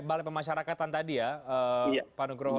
balai pemasyarakatan tadi ya pak nugroh ya